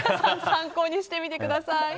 参考にしてみてください。